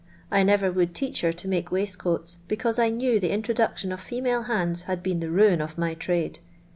I never would teach her to mnkc waistconts, because I knew the introduction of fenuilc bands had been the ruin of my trade.